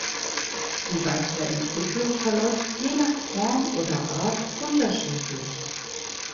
Die weitere Entwicklung verläuft je nach Form oder Art unterschiedlich.